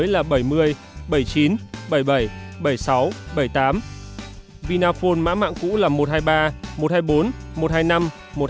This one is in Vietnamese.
luật an ninh mạng cũ là một trăm hai mươi ba một trăm hai mươi bốn một trăm hai mươi năm một trăm hai mươi bảy một trăm hai mươi chín